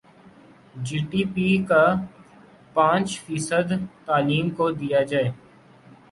جی D P کا پانچ فیصد تعلیم کو دیا جائے